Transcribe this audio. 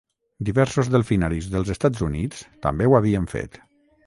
Diversos delfinaris dels Estats Units també ho havien fet.